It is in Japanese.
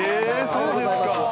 そうですか。